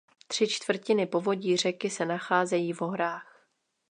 Tři čtvrtiny povodí řeky se nacházejí v horách.